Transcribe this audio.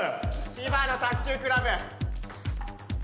千葉の卓球クラブ。